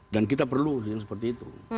dan kita perlu yang seperti itu